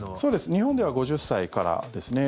日本では５０歳からですね。